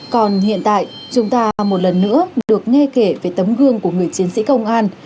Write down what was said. còn hiện tại chúng ta một lần nữa được nghe kể về tấm gương của người chiến sĩ công an